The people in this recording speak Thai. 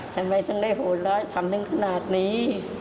ทำไมต้องให้หัวร้ายทำถึงขนาดนี้